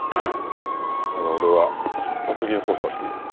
だが俺は殺人捜査をしている。